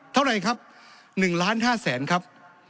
เท่าไรครับหนึ่งล้านห้าแสนครับ